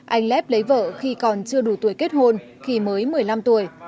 anh lép lấy vợ khi còn chưa đủ tuổi kết hôn khi mới một mươi năm tuổi